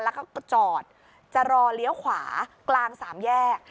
แล้วก็จอดจะรอเลี้ยวขวากลางสามแยก